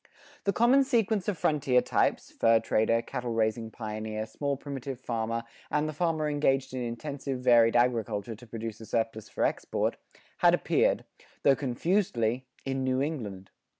The common sequence of frontier types (fur trader, cattle raising pioneer, small primitive farmer, and the farmer engaged in intensive varied agriculture to produce a surplus for export) had appeared, though confusedly, in New England.